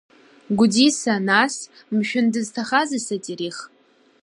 Гәдиса нас, мшәан, дызҭахазеи Сотерих?